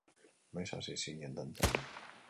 Noiz hasi zinen dantzan?